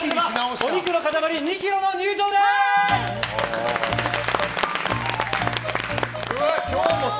お肉の塊２ｋｇの入場です！